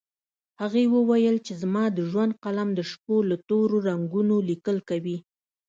هغې وويل چې زما د ژوند قلم د شپو له تورو رګونو ليکل کوي